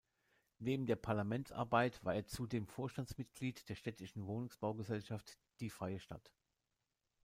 Neben der Parlamentsarbeit war er zudem Vorstandsmitglied der städtischen Wohnungsbaugesellschaft "Die Freie Stadt".